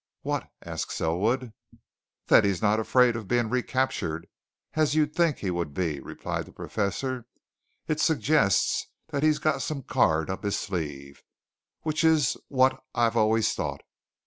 "What?" asked Selwood. "That he's not afraid of being recaptured as you'd think he would be," replied the Professor. "It suggests that he's got some card up his sleeve which is what I've always thought.